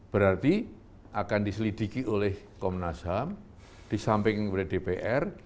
berarti akan diselidiki oleh komnas ham disamping kepada dpr